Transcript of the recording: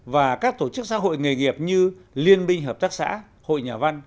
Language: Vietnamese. và các tổ chức xã hội nghề nghiệp như liên minh hợp tác xã hội nhà văn